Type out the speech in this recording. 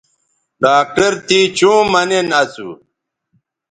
ڈاکٹر تے چوں مہ نین اسو